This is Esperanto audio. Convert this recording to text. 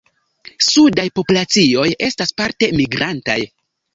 Sudaj populacioj estas parte migrantaj.